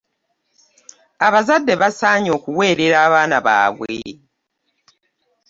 Abazadde basaanye okuweerera abaana baabwe.